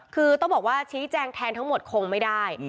คือต้องบอกว่าชี้แจงแทนทั้งหมดคงไม่ได้